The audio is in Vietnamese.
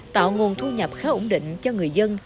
tạo nguồn thu nhập khá ổn định cho người dân